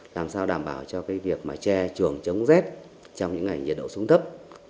làm sao đảm bảo cho cái việc mà che chuồng chống rét trong những ngày nhiệt độ xuống thấp